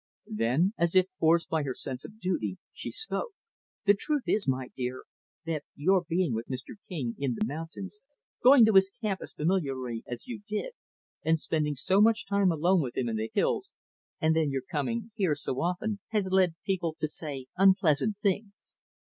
Then, as if forced by her sense of duty, she spoke. "The truth is, my dear, that your being with Mr. King in the mountains going to his camp as familiarly as you did, and spending so much time alone with him in the hills and then your coming here so often, has led people to say unpleasant things."